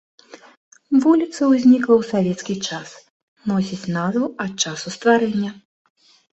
Вуліца ўзнікла ў савецкі час, носіць назву ад часу стварэння.